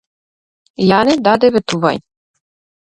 Јане даде ветување.